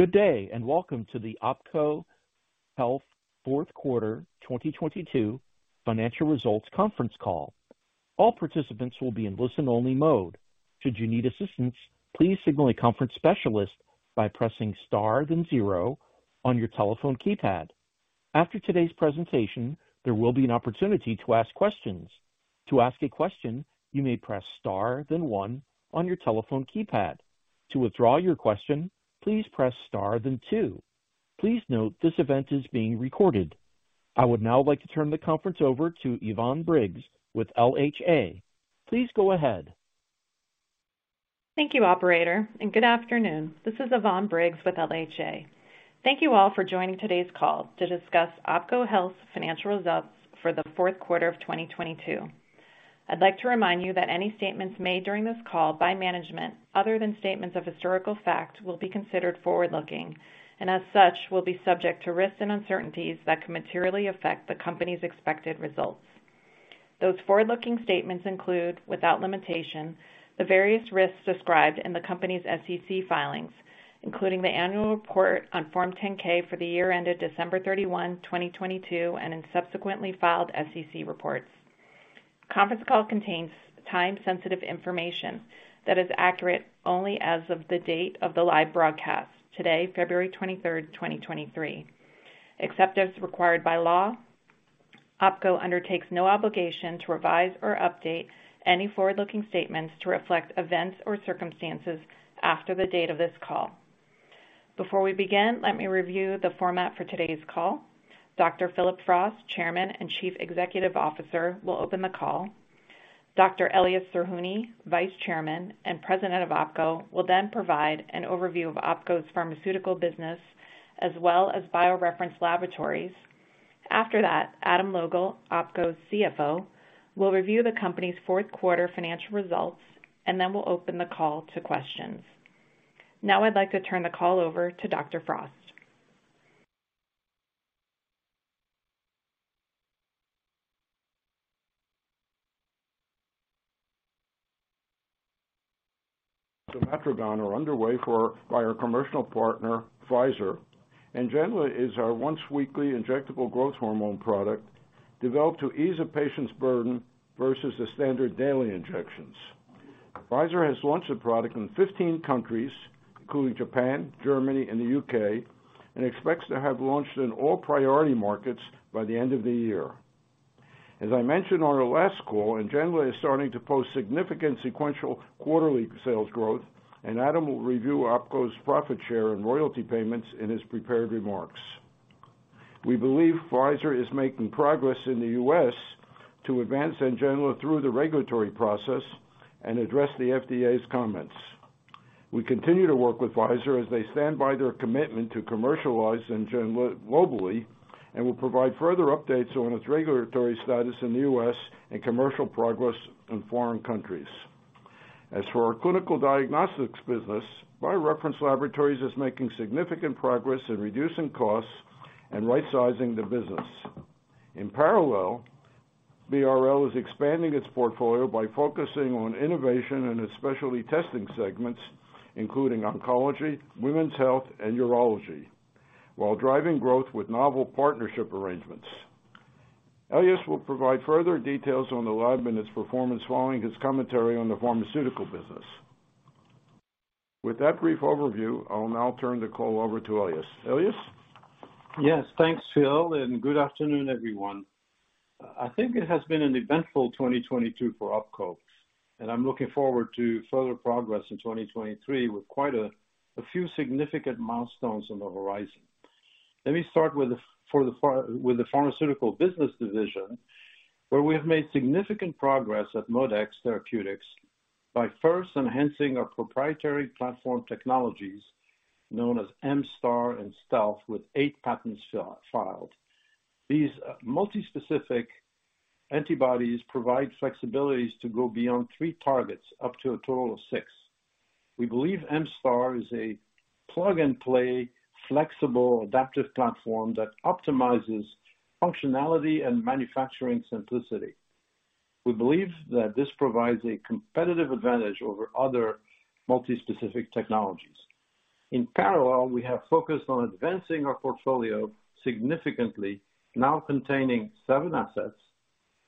Good day, and welcome to the OPKO Health fourth quarter 2022 financial results conference call. All participants will be in listen-only mode. Should you need assistance, please signal a conference specialist by pressing star, then zero on your telephone keypad. After today's presentation, there will be an opportunity to ask questions. To ask a question, you may press star, then one on your telephone keypad. To withdraw your question, please press star, then two. Please note this event is being recorded. I would now like to turn the conference over to Yvonne Briggs with LHA. Please go ahead. Thank you, operator, and good afternoon. This is Yvonne Briggs with LHA. Thank you all for joining today's call to discuss OPKO Health's financial results for the fourth quarter of 2022. I'd like to remind you that any statements made during this call by management, other than statements of historical fact, will be considered forward-looking and, as such, will be subject to risks and uncertainties that could materially affect the company's expected results. Those forward-looking statements include, without limitation, the various risks described in the company's SEC filings, including the annual report on Form 10-K for the year ended December 31, 2022, and in subsequently filed SEC reports. Conference call contains time-sensitive information that is accurate only as of the date of the live broadcast, today, February 23rd, 2023. Except as required by law, OPKO undertakes no obligation to revise or update any forward-looking statements to reflect events or circumstances after the date of this call. Before we begin, let me review the format for today's call. Dr. Phillip Frost, Chairman and Chief Executive Officer, will open the call. Dr. Elias Zerhouni, Vice Chairman and President of OPKO, will then provide an overview of OPKO's pharmaceutical business as well as BioReference Laboratories. After that, Adam Logal, OPKO's CFO, will review the company's fourth quarter financial results. Then we'll open the call to questions. Now I'd like to turn the call over to Dr. Frost. somatrogon are underway by our commercial partner, Pfizer. NGENLA is our once-weekly injectable growth hormone product developed to ease a patient's burden versus the standard daily injections. Pfizer has launched the product in 15 countries, including Japan, Germany, and the U.K. Expects to have launched in all priority markets by the end of the year. As I mentioned on our last call, NGENLA is starting to post significant sequential quarterly sales growth. Adam will review OPKO's profit share and royalty payments in his prepared remarks. We believe Pfizer is making progress in the U.S. to advance NGENLA through the regulatory process and address the FDA's comments. We continue to work with Pfizer as they stand by their commitment to commercialize NGENLA globally and will provide further updates on its regulatory status in the U.S. and commercial progress in foreign countries. As for our clinical diagnostics business, BioReference Laboratories is making significant progress in reducing costs and rightsizing the business. In parallel, BRL is expanding its portfolio by focusing on innovation in its specialty testing segments, including oncology, women's health, and urology, while driving growth with novel partnership arrangements. Elias will provide further details on the lab and its performance following his commentary on the pharmaceutical business. With that brief overview, I'll now turn the call over to Elias. Elias? Yes. Thanks, Phil. Good afternoon, everyone. I think it has been an eventful 2022 for OPKO. I'm looking forward to further progress in 2023 with quite a few significant milestones on the horizon. Let me start with the pharmaceutical business division, where we have made significant progress at ModeX Therapeutics by first enhancing our proprietary platform technologies known as MSTAR and STEALTH, with eight patents filed. These multi-specific antibodies provide flexibilities to go beyond three targets, up to a total of six. We believe MSTAR is a plug-and-play, flexible, adaptive platform that optimizes functionality and manufacturing simplicity. We believe that this provides a competitive advantage over other multi-specific technologies. In parallel, we have focused on advancing our portfolio significantly, now containing seven assets,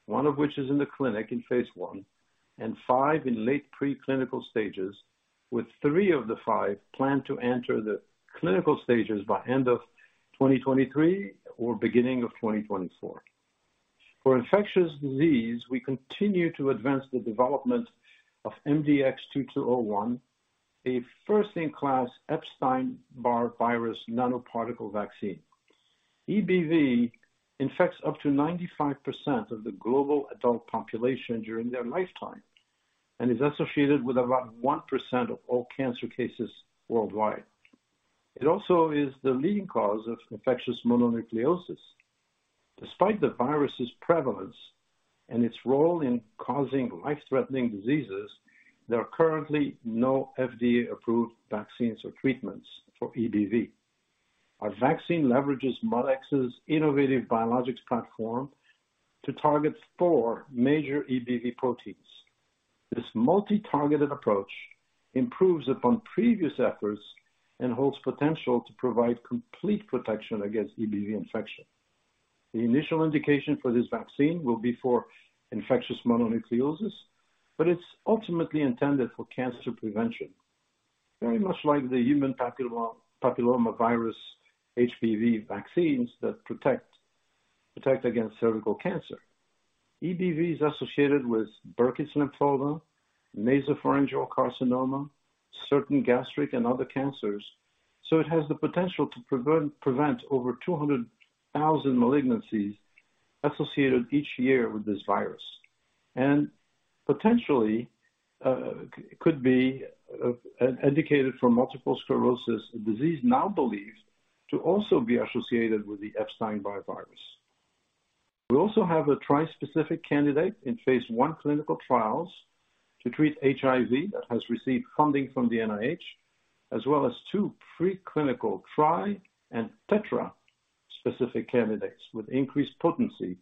one of which is in the clinic in phase I and V in late preclinical stages, with three of the five planned to enter the clinical stages by end of 2023 or beginning of 2024. For infectious disease, we continue to advance the development of MDX-2201, a first-in-class Epstein-Barr virus nanoparticle vaccine. EBV infects up to 95% of the global adult population during their lifetime and is associated with about 1% of all cancer cases worldwide. It also is the leading cause of infectious mononucleosis. Despite the virus's prevalence and its role in causing life-threatening diseases, there are currently no FDA-approved vaccines or treatments for EBV. Our vaccine leverages ModeX's innovative biologics platform to target four major EBV proteins. This multi-targeted approach improves upon previous efforts and holds potential to provide complete protection against EBV infection. The initial indication for this vaccine will be for infectious mononucleosis, but it's ultimately intended for cancer prevention. Very much like the human papillomavirus, HPV vaccines that protect against cervical cancer. EBV is associated with Burkitt's lymphoma, nasopharyngeal carcinoma, certain gastric and other cancers. It has the potential to prevent over 200,000 malignancies associated each year with this virus. Potentially could be indicated for multiple sclerosis, a disease now believed to also be associated with the Epstein-Barr virus. We also have a tri-specific candidate in phase I clinical trials to treat HIV that has received funding from the NIH, as well as two pre-clinical tri and tetra-specific candidates with increased potency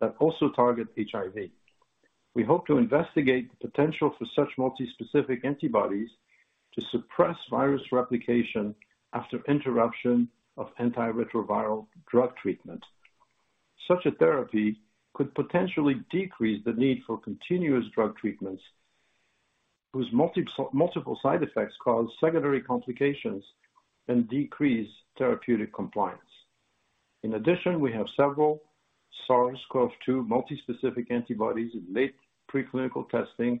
that also target HIV. We hope to investigate the potential for such multi-specific antibodies to suppress virus replication after interruption of antiretroviral drug treatment. Such a therapy could potentially decrease the need for continuous drug treatments, whose multiple side effects cause secondary complications and decrease therapeutic compliance. We have several SARS-CoV-2 multi-specific antibodies in late pre-clinical testing,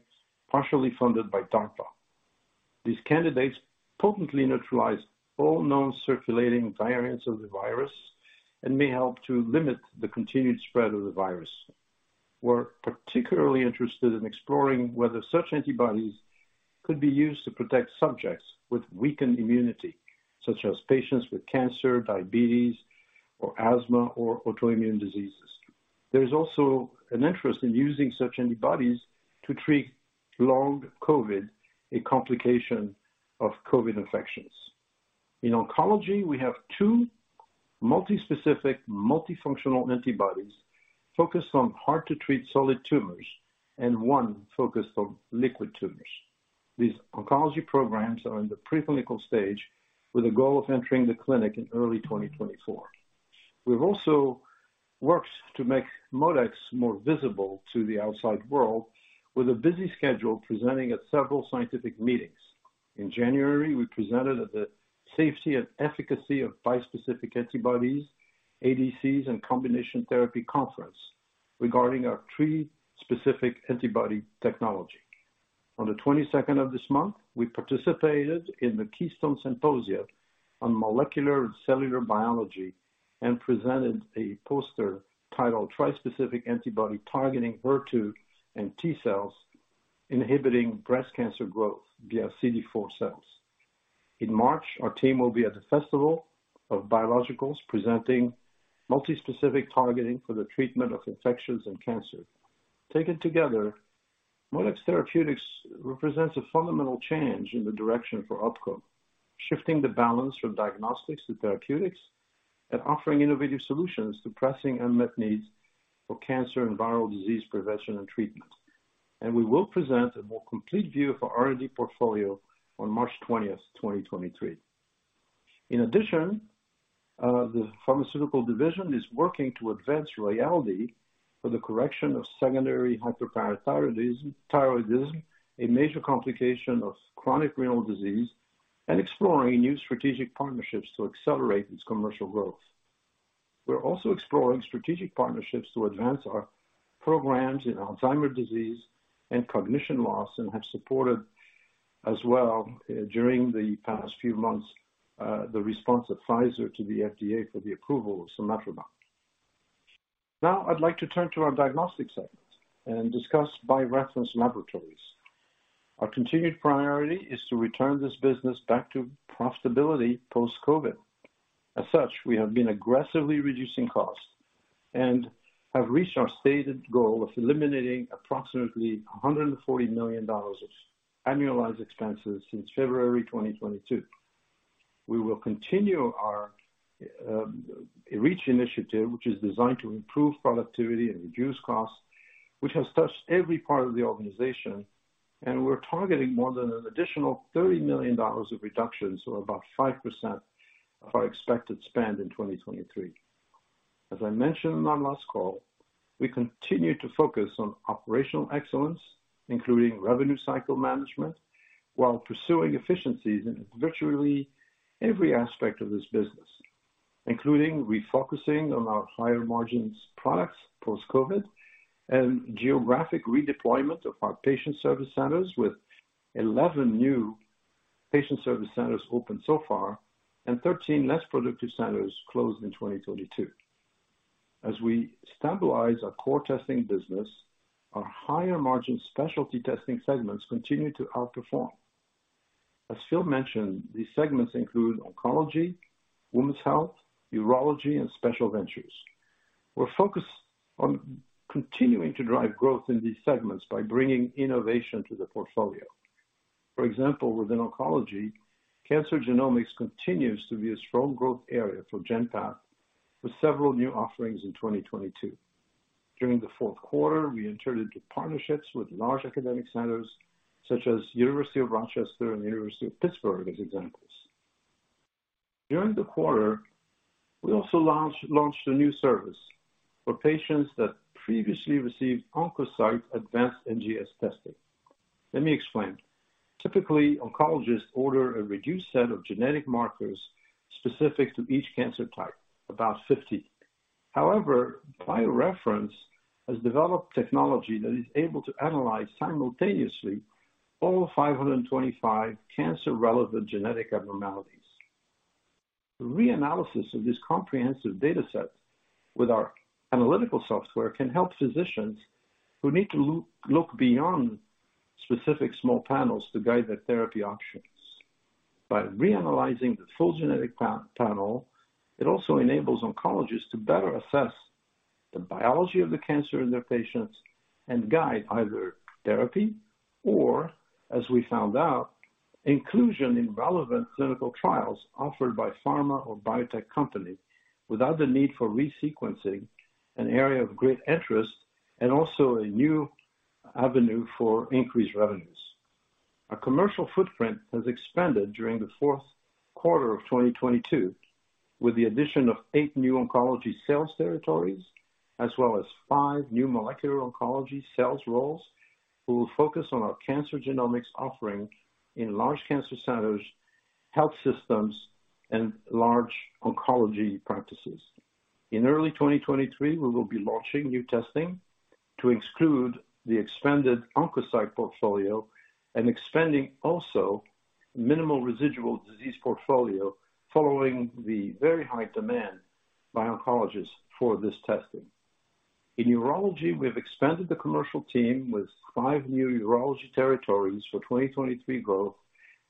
partially funded by DARPA. These candidates potently neutralize all known circulating variants of the virus and may help to limit the continued spread of the virus. We're particularly interested in exploring whether such antibodies could be used to protect subjects with weakened immunity, such as patients with cancer, diabetes or asthma or autoimmune diseases. There is also an interest in using such antibodies to treat long COVID, a complication of COVID infections. We have two multi-specific, multifunctional antibodies focused on hard to treat solid tumors and one focused on liquid tumors. These oncology programs are in the pre-clinical stage with a goal of entering the clinic in early 2024. We've also worked to make ModeX more visible to the outside world with a busy schedule presenting at several scientific meetings. In January, we presented at the Safety and Efficacy of Bispecific Antibodies, ADCs, and Combination Therapy conference regarding our tri-specific antibody technology. On the 22nd of this month, we participated in the Keystone Symposia on Molecular and Cellular Biology and presented a poster titled Tri-Specific Antibody Targeting HER2 and T-cells Inhibiting Breast Cancer Growth via CD4 cells. In March, our team will be at the Festival of Biologics, presenting multi-specific targeting for the treatment of infections and cancer. Taken together, ModeX Therapeutics represents a fundamental change in the direction for OPKO, shifting the balance from diagnostics to therapeutics and offering innovative solutions to pressing unmet needs for cancer and viral disease prevention and treatment. We will present a more complete view of our R&D portfolio on March 20th, 2023. In addition, the pharmaceutical division is working to advance RAYALDEE for the correction of secondary hyperparathyroidism, a major complication of chronic renal disease, and exploring new strategic partnerships to accelerate its commercial growth. We're also exploring strategic partnerships to advance our programs in Alzheimer disease and cognition loss and have supported as well, during the past few months, the response of Pfizer to the FDA for the approval of somatrogon. Now I'd like to turn to our diagnostic segment and discuss BioReference Laboratories. Our continued priority is to return this business back to profitability post-COVID. As such, we have been aggressively reducing costs and have reached our stated goal of eliminating approximately $140 million of annualized expenses since February 2022. We will continue our REACH initiative, which is designed to improve productivity and reduce costs, which has touched every part of the organization, and we're targeting more than an additional $30 million of reductions or about 5% of our expected spend in 2023. As I mentioned on my last call, we continue to focus on operational excellence, including revenue cycle management, while pursuing efficiencies in virtually every aspect of this business. Including refocusing on our higher margins products post-COVID and geographic redeployment of our patient service centers with 11 new patient service centers opened so far and 13 less productive centers closed in 2022. We stabilize our core testing business, our higher margin specialty testing segments continue to outperform. Phillip Frost mentioned, these segments include oncology, women's health, urology, and special ventures. We're focused on continuing to drive growth in these segments by bringing innovation to the portfolio. For example, within oncology, cancer genomics continues to be a strong growth area for GenPath with several new offerings in 2022. During the fourth quarter, we entered into partnerships with large academic centers such as University of Rochester and University of Pittsburgh as examples. During the quarter, we also launched a new service for patients that previously received Oncocyte advanced NGS testing. Let me explain. Typically, oncologists order a reduced set of genetic markers specific to each cancer type, about 50. However, BioReference has developed technology that is able to analyze simultaneously all 525 cancer-relevant genetic abnormalities. The reanalysis of this comprehensive data set with our analytical software can help physicians who need to look beyond specific small panels to guide their therapy options. By reanalyzing the full genetic panel, it also enables oncologists to better assess the biology of the cancer in their patients and guide either therapy or, as we found out, inclusion in relevant clinical trials offered by pharma or biotech company without the need for resequencing, an area of great interest and also a new avenue for increased revenues. Our commercial footprint has expanded during the fourth quarter of 2022 with the addition of eight new oncology sales territories, as well as five new molecular oncology sales roles who will focus on our cancer genomics offering in large cancer centers, health systems, and large oncology practices. In early 2023, we will be launching new testing to exclude the expanded Oncocyte portfolio and expanding also minimal residual disease portfolio following the very high demand by oncologists for this testing. In urology, we have expanded the commercial team with five new urology territories for 2023 growth,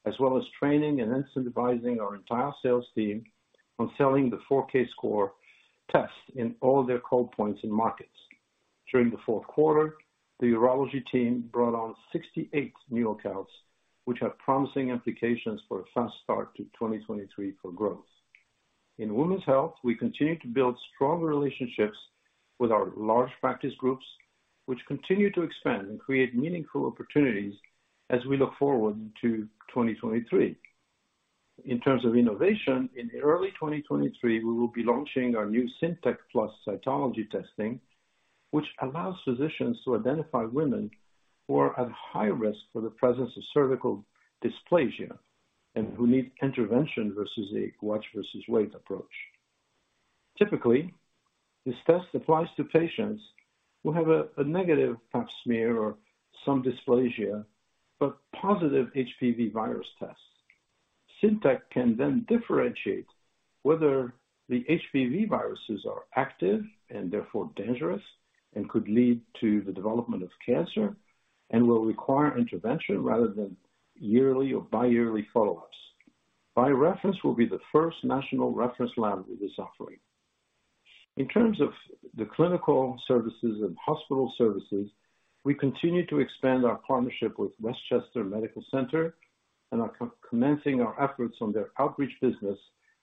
as well as training and incentivizing our entire sales team on selling the 4Kscore test in all their call points and markets. During the fourth quarter, the urology team brought on 68 new accounts, which have promising implications for a fast start to 2023 for growth. In women's health, we continue to build strong relationships with our large practice groups, which continue to expand and create meaningful opportunities as we look forward into 2023. In terms of innovation, in early 2023, we will be launching our new CINtec PLUS cytology testing, which allows physicians to identify women who are at high risk for the presence of cervical dysplasia and who need intervention versus a watch versus wait approach. Typically, this test applies to patients who have a negative Pap smear or some dysplasia, but positive HPV virus tests. CINtec can then differentiate whether the HPV viruses are active and therefore dangerous and could lead to the development of cancer and will require intervention rather than yearly or bi-yearly follow-ups. BioReference will be the first national reference lab with this offering. In terms of the clinical services and hospital services, we continue to expand our partnership with Westchester Medical Center and are commencing our efforts on their outreach business,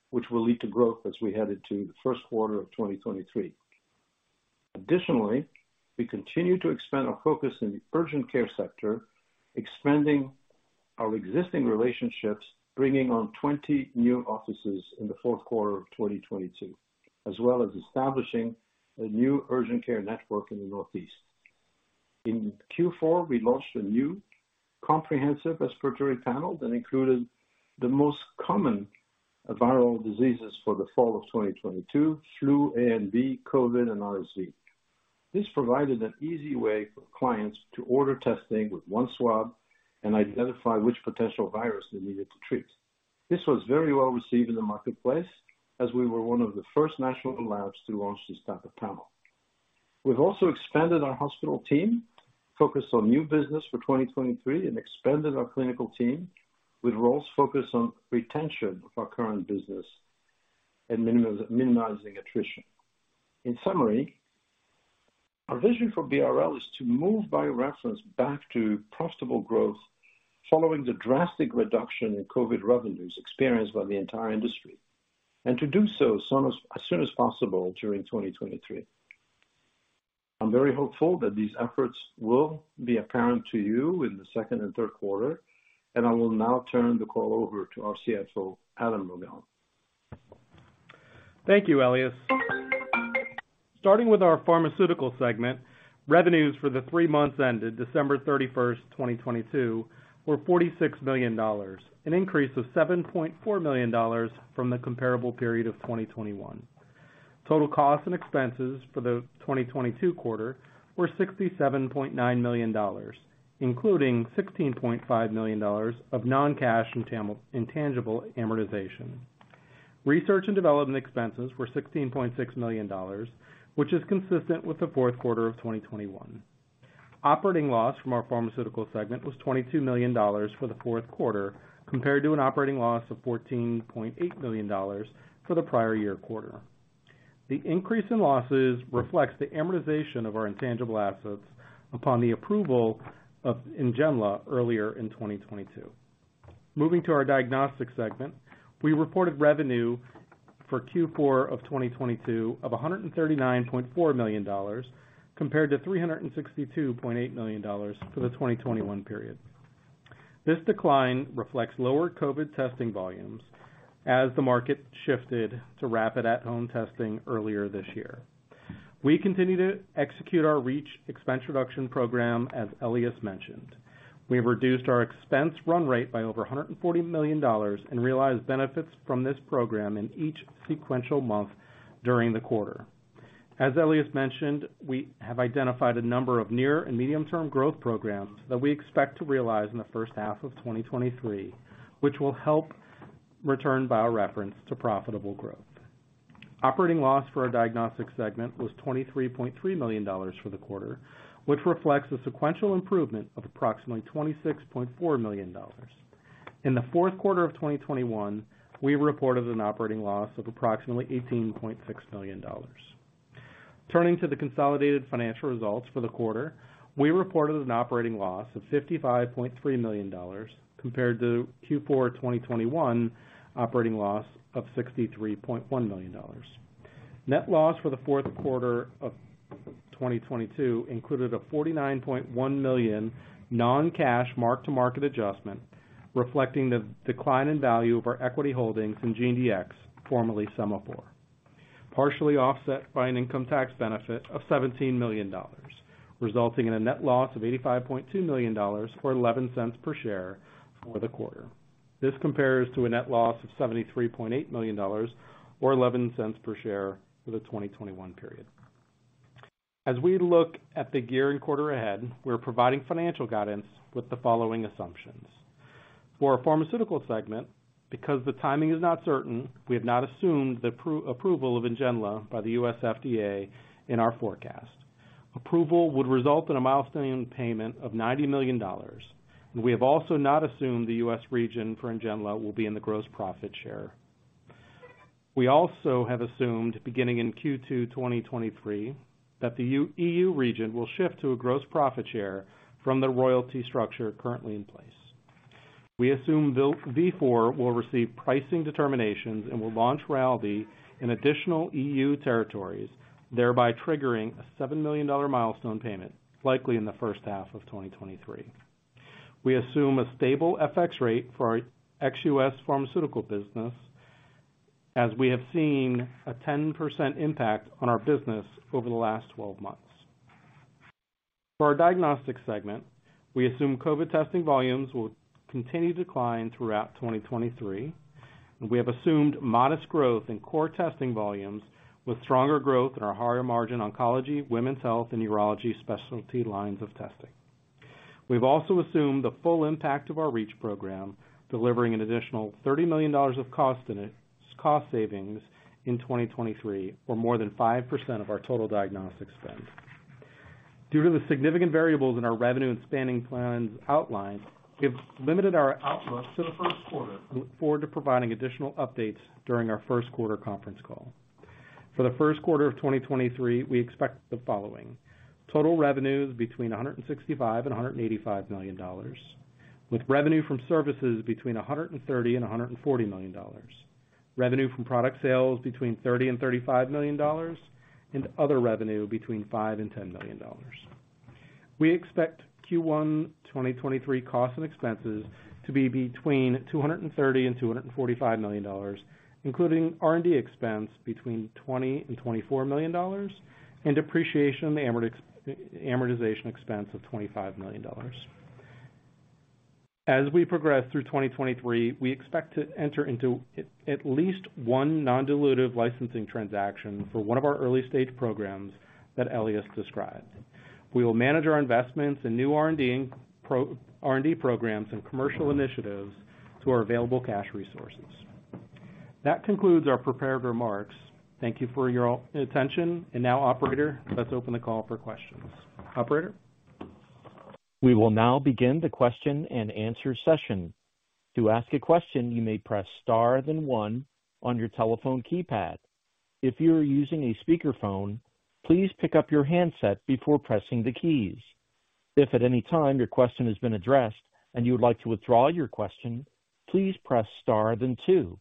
which will lead to growth as we head into the first quarter of 2023. We continue to expand our focus in the urgent care sector, expanding our existing relationships, bringing on 20 new offices in the fourth quarter of 2022, as well as establishing a new urgent care network in the Northeast. In Q4, we launched a new comprehensive respiratory panel that included the most common viral diseases for the fall of 2022, flu A and B, COVID, and RSV. This provided an easy way for clients to order testing with 1 swab and identify which potential virus they needed to treat. This was very well received in the marketplace as we were one of the first national labs to launch this type of panel. We've also expanded our hospital team, focused on new business for 2023, and expanded our clinical team with roles focused on retention of our current business and minimizing attrition. In summary, our vision for BRL is to move Bio-Reference back to profitable growth following the drastic reduction in COVID revenues experienced by the entire industry, and to do so as soon as possible during 2023. I'm very hopeful that these efforts will be apparent to you in the second and third quarter, and I will now turn the call over to our CFO, Adam Logal. Thank you, Elias. Starting with our pharmaceutical segment, revenues for the three months ended December 31st, 2022 were $46 million, an increase of $7.4 million from the comparable period of 2021. Total costs and expenses for the 2022 quarter were $67.9 million, including $16.5 million of non-cash intangible amortization. Research and development expenses were $16.6 million, which is consistent with the fourth quarter of 2021. Operating loss from our pharmaceutical segment was $22 million for the fourth quarter, compared to an operating loss of $14.8 million for the prior year quarter. The increase in losses reflects the amortization of our intangible assets upon the approval of NGENLA earlier in 2022. Moving to our diagnostics segment, we reported revenue for Q4 of 2022 of $139.4 million compared to $362.8 million for the 2021 period. This decline reflects lower COVID testing volumes as the market shifted to rapid at-home testing earlier this year. We continue to execute our REACH expense reduction program, as Elias mentioned. We have reduced our expense run rate by over $140 million and realized benefits from this program in each sequential month during the quarter. As Elias mentioned, we have identified a number of near and medium-term growth programs that we expect to realize in the first half of 2023, which will help return BioReference to profitable growth. Operating loss for our diagnostics segment was $23.3 million for the quarter, which reflects a sequential improvement of approximately $26.4 million. In the fourth quarter of 2021, we reported an operating loss of approximately $18.6 million. Turning to the consolidated financial results for the quarter, we reported an operating loss of $55.3 million compared to Q4 2021 operating loss of $63.1 million. Net loss for the fourth quarter of 2022 included a $49.1 million non-cash mark-to-market adjustment, reflecting the decline in value of our equity holdings in GeneDx, formerly Sema4. Partially offset by an income tax benefit of $17 million, resulting in a net loss of $85.2 million, or $0.11 per share for the quarter. This compares to a net loss of $73.8 million or $0.11 per share for the 2021 period. As we look at the year and quarter ahead, we're providing financial guidance with the following assumptions. For our pharmaceutical segment, because the timing is not certain, we have not assumed the approval of NGENLA by the U.S. FDA in our forecast. Approval would result in a milestone payment of $90 million, and we have also not assumed the U.S. region for NGENLA will be in the gross profit share. We also have assumed, beginning in Q2 2023, that the EU region will shift to a gross profit share from the royalty structure currently in place. We assume Vifor will receive pricing determinations and will launch RAYALDEE in additional EU territories, thereby triggering a $7 million milestone payment, likely in the first half of 2023. We assume a stable FX rate for our ex-U.S. pharmaceutical business, as we have seen a 10% impact on our business over the last 12 months. For our diagnostics segment, we assume COVID testing volumes will continue to decline throughout 2023. We have assumed modest growth in core testing volumes with stronger growth in our higher margin oncology, women's health, and urology specialty lines of testing. We've also assumed the full impact of our REACH program, delivering an additional $30 million of cost savings in 2023, or more than 5% of our total diagnostic spend. Due to the significant variables in our revenue and spending plans outlined, we have limited our outlook to the first quarter and look forward to providing additional updates during our first quarter conference call. For the first quarter of 2023, we expect the following: total revenues between $165 million and $185 million, with revenue from services between $130 million and $140 million, revenue from product sales between $30 million and $35 million, and other revenue between $5 million and $10 million. We expect Q1 2023 costs and expenses to be between $230 million and $245 million, including R&D expense between $20 million and $24 million and depreciation and the amortization expense of $25 million. As we progress through 2023, we expect to enter into at least one non-dilutive licensing transaction for one of our early-stage programs that Elias described. We will manage our investments in new R&D programs and commercial initiatives to our available cash resources. That concludes our prepared remarks. Thank you for your attention. Now, operator, let's open the call for questions. Operator? We will now begin the question and answer session. To ask a question, you may press star, then one on your telephone keypad. If you are using a speakerphone, please pick up your handset before pressing the keys. If at any time your question has been addressed and you would like to withdraw your question, please press star then two.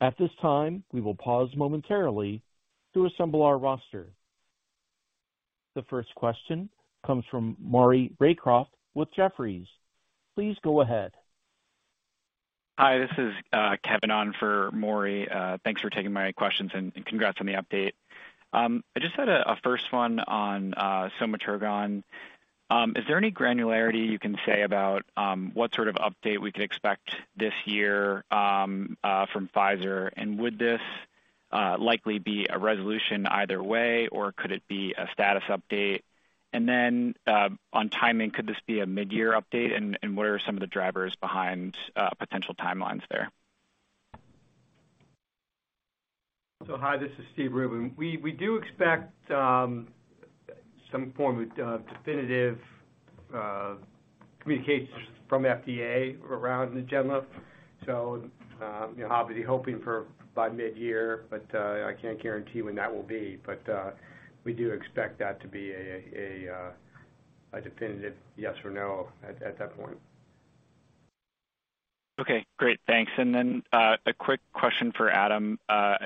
At this time, we will pause momentarily to assemble our roster. The first question comes from Maury Raycroft with Jefferies. Please go ahead. Hi, this is Kevin on for Maury. Thanks for taking my questions, and congrats on the update. I just had a first one on somatrogon. Is there any granularity you can say about what sort of update we could expect this year from Pfizer? Would this likely be a resolution either way, or could it be a status update? On timing, could this be a mid-year update, and what are some of the drivers behind potential timelines there? Hi, this is Steve Rubin. We do expect some form of definitive communication from FDA around NGENLA. You know, obviously hoping for by mid-year, but I can't guarantee when that will be. We do expect that to be a definitive yes or no at that point. Okay, great. Thanks. A quick question for Adam.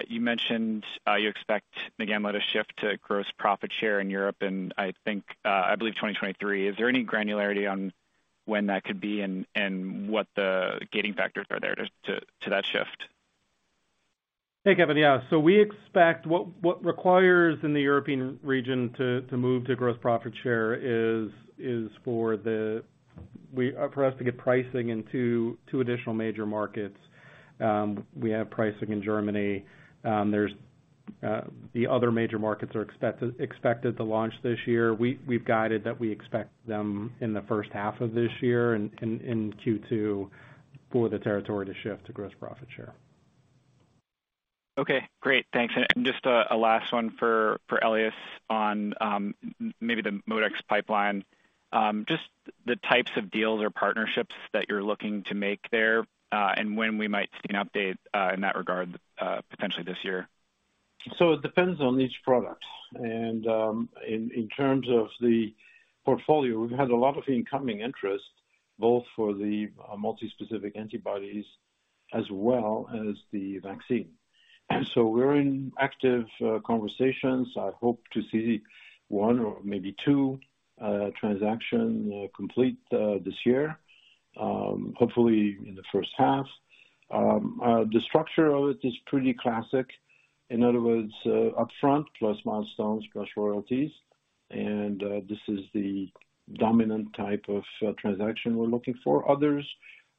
You mentioned, you expect NGENLA to shift to gross profit share in Europe in, I think, I believe 2023. Is there any granularity on when that could be and what the gating factors are there to that shift? Hey, Kevin. We expect what requires in the European region to move to gross profit share is for us to get pricing in two additional major markets. We have pricing in Germany. There's the other major markets are expected to launch this year. We've guided that we expect them in the first half of this year in Q2 for the territory to shift to gross profit share. Okay, great. Thanks. Just a last one for Elias on, maybe the ModeX pipeline, just the types of deals or partnerships that you're looking to make there, and when we might see an update, in that regard, potentially this year. It depends on each product. In terms of the portfolio, we've had a lot of incoming interest both for the multispecific antibodies as well as the vaccine. We're in active conversations. I hope to see one or maybe two transaction complete this year, hopefully in the first half. The structure of it is pretty classic. In other words, upfront plus milestones plus royalties. This is the dominant type of transaction we're looking for. Others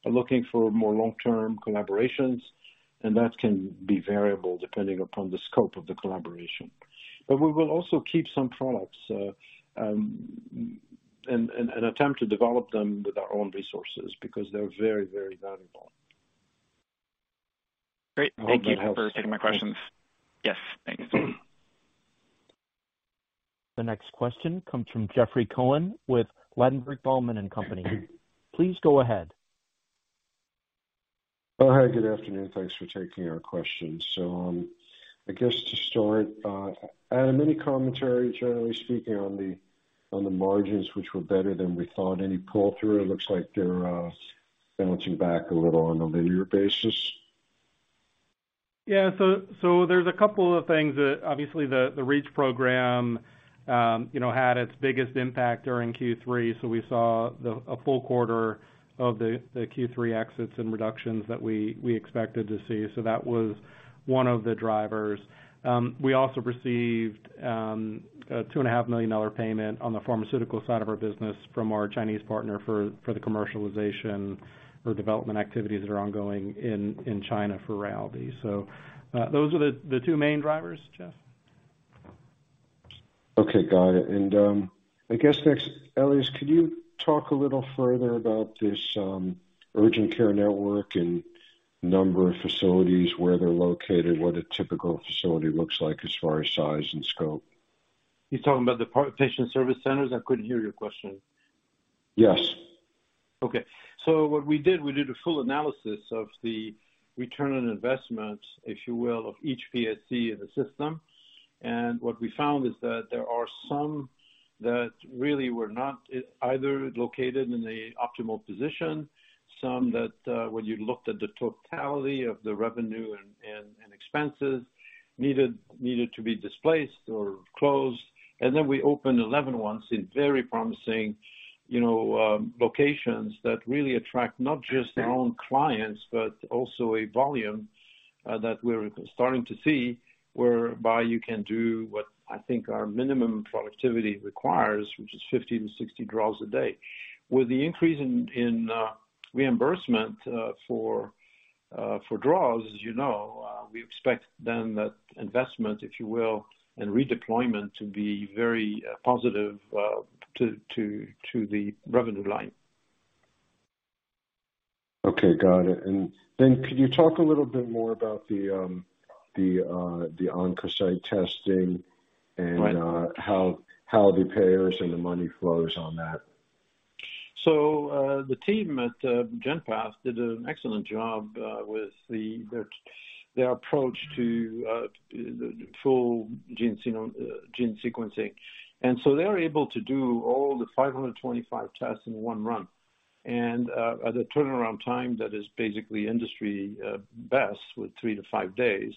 are looking for more long-term collaborations, and that can be variable depending upon the scope of the collaboration. We will also keep some products and attempt to develop them with our own resources because they're very, very valuable. Great. Thank you for taking my questions. Hope that helps. Yes. Thanks. The next question comes from Jeffrey Cohen with Ladenburg Thalmann & Co.. Please go ahead. Hi, good afternoon. Thanks for taking our questions. I guess to start, Adam, any commentary, generally speaking, on the margins which were better than we thought? Any pull-through? It looks like they're bouncing back a little on a linear basis. There's a couple of things that obviously the REACH program, you know, had its biggest impact during Q3. We saw a full quarter of the Q3 exits and reductions that we expected to see. That was one of the drivers. We also received a $2.5 million payment on the pharmaceutical side of our business from our Chinese partner for the commercialization or development activities that are ongoing in China for RAYALDEE. Those are the two main drivers, Jeff. Okay. Got it. I guess next, Elias, could you talk a little further about this urgent care network and number of facilities, where they're located, what a typical facility looks like as far as size and scope? You're talking about the patient service centers? I couldn't hear your question. Yes. What we did, we did a full analysis of the return on investment, if you will, of each PSC in the system. What we found is that there are some that really were not either located in the optimal position, some that, when you looked at the totality of the revenue and expenses, needed to be displaced or closed. Then we opened 11 ones in very promising, you know, locations that really attract not just their own clients, but also a volume that we're starting to see, whereby you can do what I think our minimum productivity requires, which is 50-60 draws a day. With the increase in reimbursement, for draws, as you know, we expect then that investment, if you will, and redeployment to be very positive, to the revenue line. Okay, got it. Could you talk a little bit more about the on-site testing? Right. how the payers and the money flows on that? The team at GenPath did an excellent job with their approach to full gene sequencing. They're able to do all the 525 tests in one run. At a turnaround time that is basically industry best with three-five days.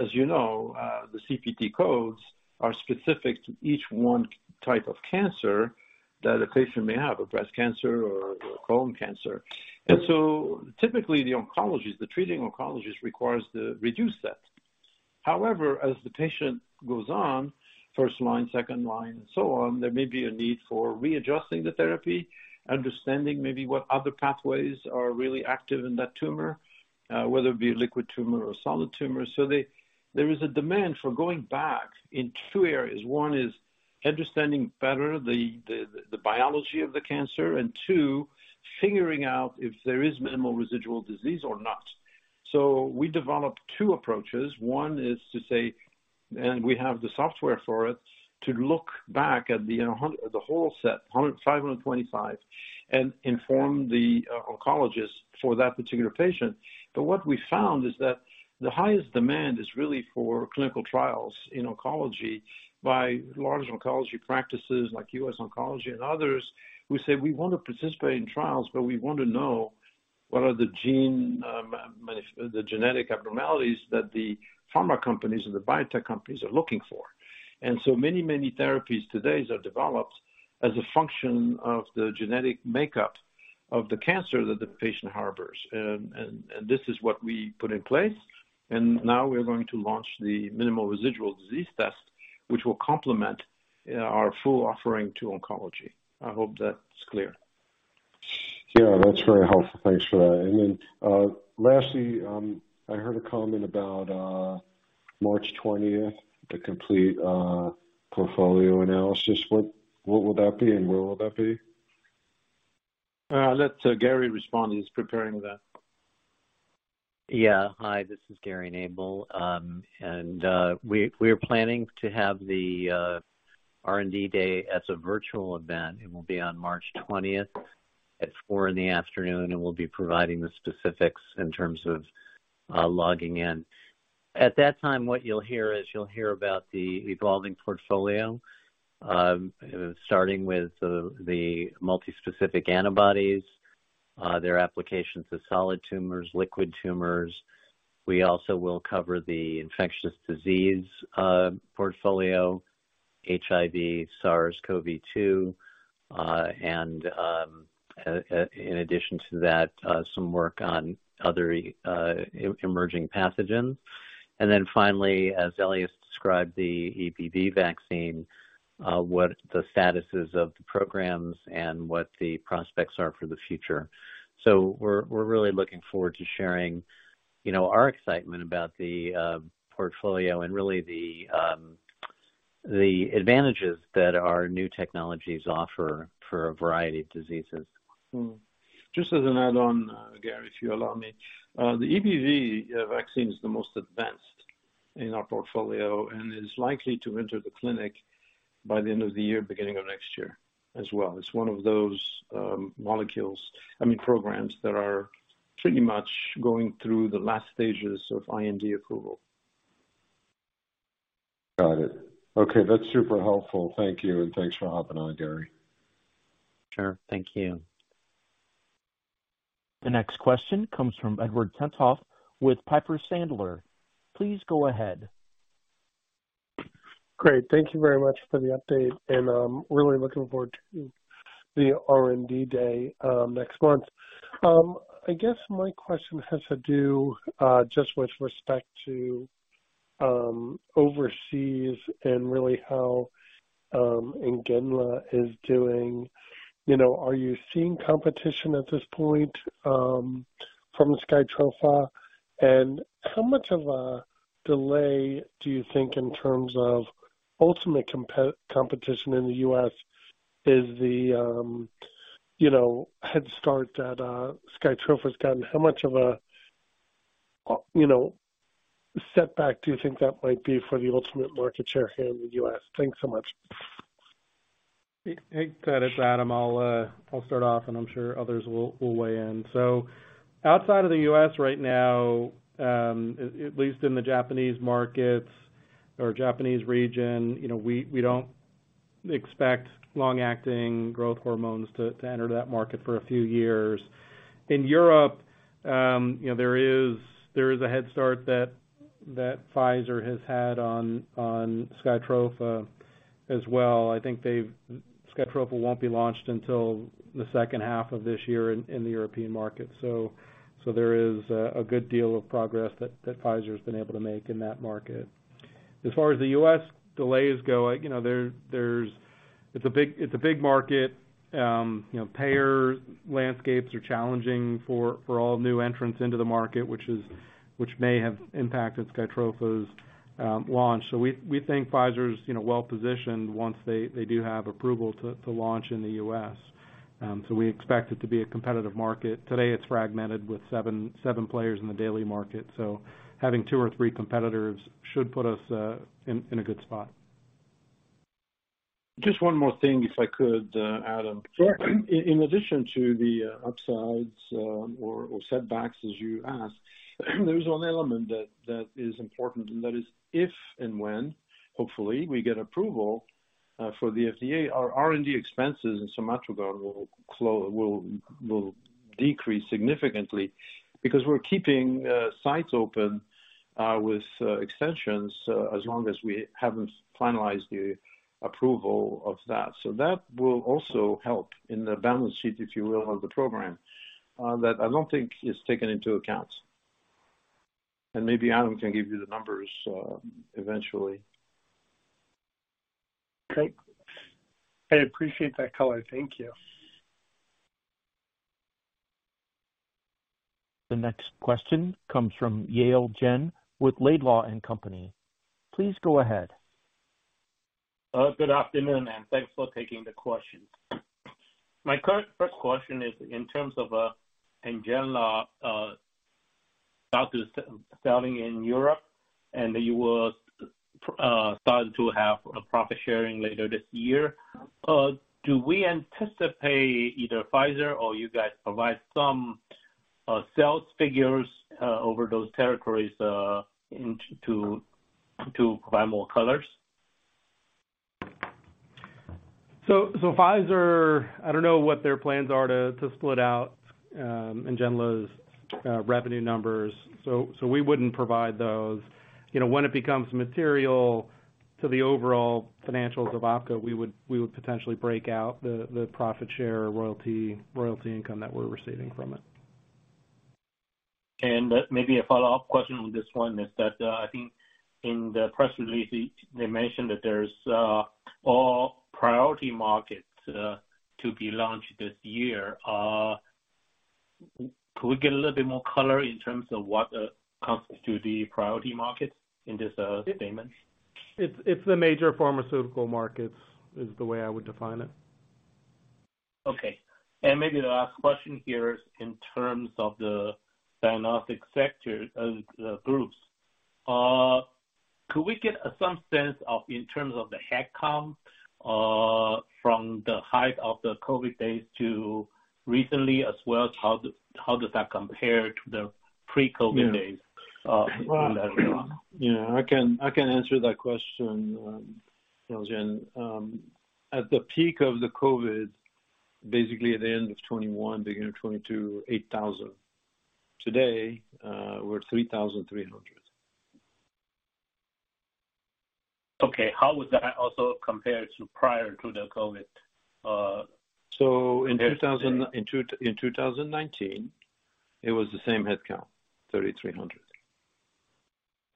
As you know, the CPT codes are specific to each one type of cancer that a patient may have, a breast cancer or a colon cancer. Typically, the oncologist, the treating oncologist requires to reduce that. However, as the patient goes on, first line, second line, and so on, there may be a need for readjusting the therapy, understanding maybe what other pathways are really active in that tumor, whether it be a liquid tumor or a solid tumor. There is a demand for going back in two areas. One is understanding better the biology of the cancer, and two, figuring out if there is minimal residual disease or not. We developed two approaches. One is to say, and we have the software for it, to look back at the whole set, 100, 525, and inform the oncologist for that particular patient. What we found is that the highest demand is really for clinical trials in oncology by large oncology practices like U.S. Oncology and others who say, "We want to participate in trials, but we want to know what are the gene, the genetic abnormalities that the pharma companies and the biotech companies are looking for." Many, many therapies today are developed as a function of the genetic makeup of the cancer that the patient harbors. This is what we put in place. Now we're going to launch the minimal residual disease test, which will complement, you know, our full offering to oncology. I hope that's clear. Yeah, that's very helpful. Thanks for that. Lastly, I heard a comment about March 20th, the complete portfolio analysis. What will that be, and where will that be? I'll let Gary respond. He's preparing that. Hi, this is Gary Nabel. We're planning to have the R&D Day as a virtual event. It will be on March 20th at 4:00 P.M. We'll be providing the specifics in terms of logging in. At that time, what you'll hear is you'll hear about the evolving portfolio, starting with the multi-specific antibodies, their applications to solid tumors, liquid tumors. We also will cover the infectious disease portfolio, HIV, SARS-CoV-2, in addition to that, some work on other emerging pathogens. Finally, as Elias described, the EBV vaccine, what the statuses of the programs and what the prospects are for the future. We're really looking forward to sharing, you know, our excitement about the portfolio and really the advantages that our new technologies offer for a variety of diseases. Just as an add-on, Gary, if you allow me. The EBV vaccine is the most advanced in our portfolio and is likely to enter the clinic by the end of the year, beginning of next year as well. It's one of those molecules, I mean, programs that are pretty much going through the last stages of IND approval. Got it. Okay, that's super helpful. Thank you. Thanks for hopping on, Gary. Sure. Thank you. The next question comes from Edward Tenthoff with Piper Sandler. Please go ahead. Great. Thank you very much for the update, and I'm really looking forward to the R&D day, next month. I guess my question has to do, just with respect to, overseas and really how NGENLA is doing. You know, are you seeing competition at this point, from SKYTROFA? And how much of a delay do you think in terms of ultimate competition in the U.S. is the, you know, head start that SKYTROFA's gotten? How much of a, you know, setback do you think that might be for the ultimate market share here in the U.S.? Thanks so much. Take that, Adam Logal. I'll start off, and I'm sure others will weigh in. Outside of the U.S. right now, at least in the Japanese markets or Japanese region, you know, we don't expect long-acting growth hormones to enter that market for a few years. In Europe, you know, there is a head start that Pfizer has had on SKYTROFA as well. SKYTROFA won't be launched until the second half of this year in the European market. There is a good deal of progress that Pfizer's been able to make in that market. As far as the U.S. delays go, you know, there's a big market. You know, payer landscapes are challenging for all new entrants into the market, which may have impacted SKYTROFA's launch. We think Pfizer's, you know, well-positioned once they do have approval to launch in the U.S. We expect it to be a competitive market. Today, it's fragmented with seven players in the daily market, so having two or three competitors should put us in a good spot. Just one more thing, if I could, Adam. Sure. In addition to the upsides, or setbacks, as you ask, there's one element that is important, and that is if and when, hopefully, we get approval for the FDA, our R&D expenses in somatrogon will decrease significantly because we're keeping sites open with extensions as long as we haven't finalized the approval of that. That will also help in the balance sheet, if you will, of the program that I don't think is taken into account. Maybe Adam can give you the numbers eventually. Great. I appreciate that color. Thank you. The next question comes from Yale Jen with Laidlaw & Company. Please go ahead. Good afternoon, and thanks for taking the questions. My current first question is in terms of NGENLA, doctors selling in Europe and you will start to have a profit sharing later this year. Do we anticipate either Pfizer or you guys provide some sales figures over those territories into to provide more colors? Pfizer, I don't know what their plans are to split out NGENLA's revenue numbers. We wouldn't provide those. You know, when it becomes material to the overall financials of OPKO, we would potentially break out the profit share royalty income that we're receiving from it. Maybe a follow-up question on this one is that, I think in the press release, they mentioned that there's all priority markets to be launched this year. Could we get a little bit more color in terms of what constitutes the priority markets in this statement? It's the major pharmaceutical markets, is the way I would define it. Okay. Maybe the last question here is in terms of the diagnostic sector, the groups. Could we get some sense of, in terms of the headcount, from the height of the COVID days to recently, as well as how does that compare to the pre-COVID days, in that regard? Yeah. I can answer that question, Jane Hsiao. At the peak of the COVID, basically at the end of 21, beginning of 22, 8,000. Today, we're 3,300. Okay. How would that also compare to prior to the COVID? In 2019, it was the same headcount, 3,300.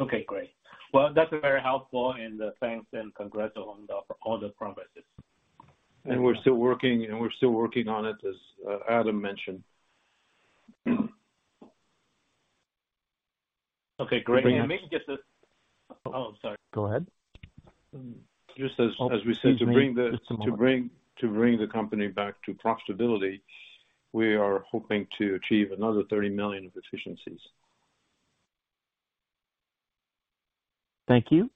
Okay, great. That's very helpful and thanks and congrats on the, all the progresses. We're still working on it, as Adam mentioned. Okay, great. Oh, sorry. Go ahead. Just as we said, to bring. Excuse me. Just a moment. To bring the company back to profitability, we are hoping to achieve another $30 million of efficiencies. Thank you.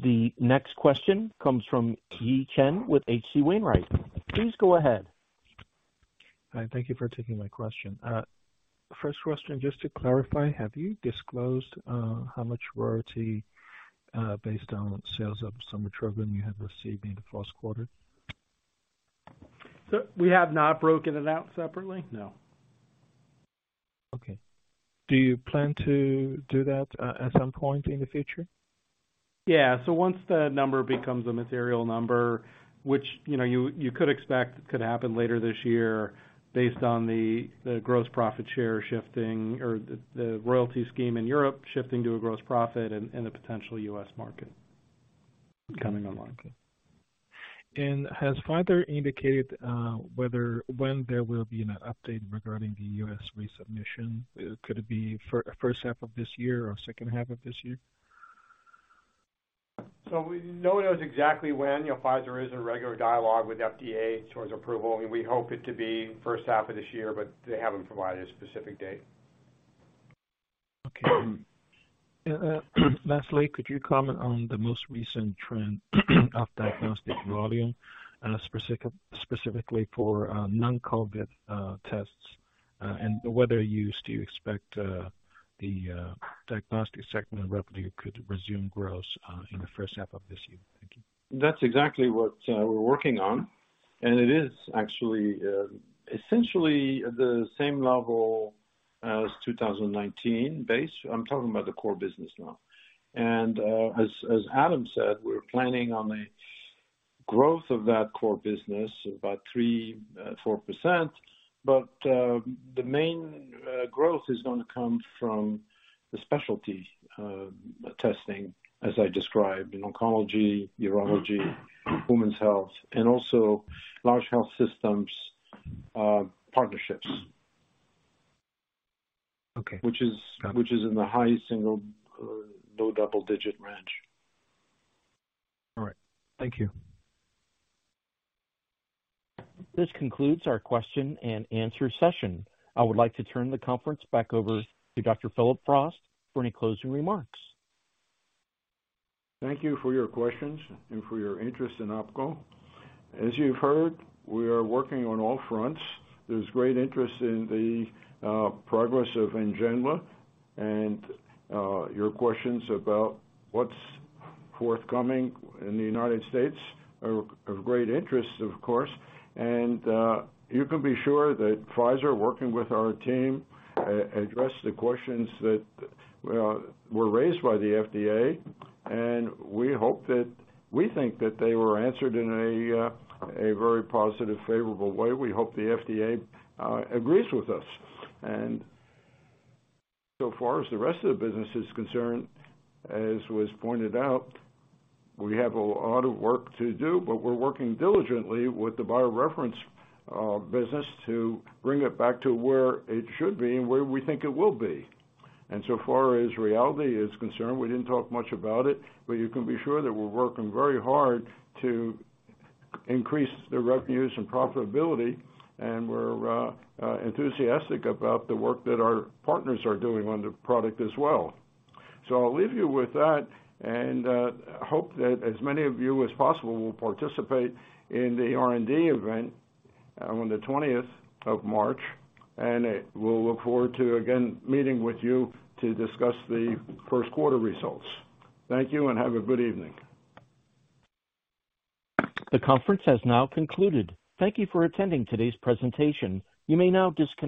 The next question comes from Yi Chen with H.C. Wainwright. Please go ahead. Hi, thank you for taking my question. First question, just to clarify, have you disclosed how much royalty, based on sales of somatrogon, you have received in the first quarter? We have not broken it out separately, no. Okay. Do you plan to do that at some point in the future? Yeah. Once the number becomes a material number, which, you know, you could expect could happen later this year based on the gross profit share shifting or the royalty scheme in Europe shifting to a gross profit and the potential U.S. market coming online. Okay. Has Pfizer indicated whether when there will be an update regarding the U.S. resubmission? Could it be first half of this year or second half of this year? No one knows exactly when. You know, Pfizer is in regular dialogue with FDA towards approval. I mean, we hope it to be first half of this year. They haven't provided a specific date. Okay. Lastly, could you comment on the most recent trend of diagnostic volume, specifically for non-COVID tests, and whether you still expect the diagnostic segment of revenue could resume growth in the first half of this year? Thank you. That's exactly what we're working on. It is actually essentially the same level as 2019 base. I'm talking about the core business now. As, as Adam said, we're planning on a growth of that core business of about 3%-4%. The main growth is gonna come from the specialty testing, as I described in oncology, urology, women's health, and also large health systems partnerships. Okay. Got it. Which is in the high single-digit %, low double-digit % range. All right. Thank you. This concludes our question and answer session. I would like to turn the conference back over to Dr. Phillip Frost for any closing remarks. Thank you for your questions and for your interest in OPKO. As you've heard, we are working on all fronts. There's great interest in the progress of NGENLA and your questions about what's forthcoming in the United States are of great interest, of course. You can be sure that Pfizer, working with our team, address the questions that were raised by the FDA. We think that they were answered in a very positive, favorable way. We hope the FDA agrees with us. So far as the rest of the business is concerned, as was pointed out, we have a lot of work to do, but we're working diligently with the BioReference business to bring it back to where it should be and where we think it will be. So far as RAYALDEE is concerned, we didn't talk much about it, but you can be sure that we're working very hard to increase the revenues and profitability, and we're enthusiastic about the work that our partners are doing on the product as well. I'll leave you with that, and hope that as many of you as possible will participate in the R&D event on the 20th of March, and we'll look forward to again meeting with you to discuss the first quarter results. Thank you and have a good evening. The conference has now concluded. Thank you for attending today's presentation. You may now disconnect.